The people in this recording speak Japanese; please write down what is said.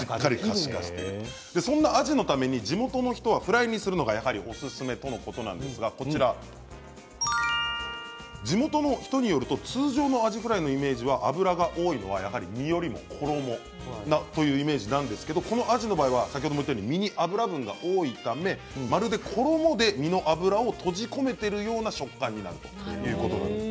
そんなアジのため地元の人はフライにするのがおすすめということなんですが地元の人によると通常のアジフライのイメージは脂が多いのは身よりも衣というイメージなんですけれどもこのアジの場合は身に脂分が多いためまるで衣で身の脂を閉じ込めているような食感になるということなんです。